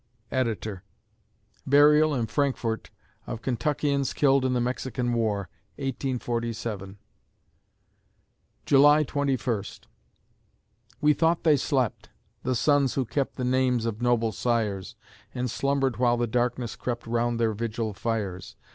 Editor] Burial in Frankfort of Kentuckians killed in the Mexican War, 1847 July Twenty First We thought they slept! the sons who kept The names of noble sires, And slumbered while the darkness crept Around their vigil fires!